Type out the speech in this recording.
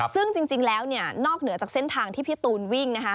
ซึ่งจริงแล้วนอกเหนือจากเส้นทางที่พี่ตูนวิ่ง